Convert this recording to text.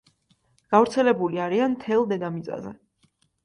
გავრცელებული არიან მთელ დედამიწაზე.